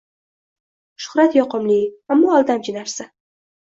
Shuhrat-yoqimli, ammo aldamchi narsa.